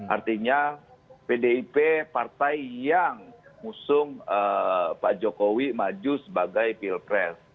artinya pdip partai yang mengusung pak jokowi maju sebagai pilpres